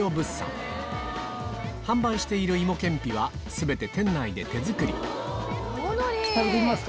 販売している芋けんぴは全て店内で手作り食べてみますか？